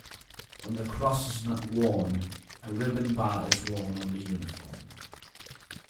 When the cross is not worn, a ribbon bar is worn on the uniform.